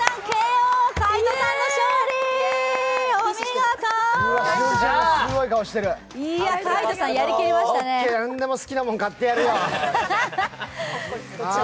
オッケー、何でも好きなもん買ってやるよ。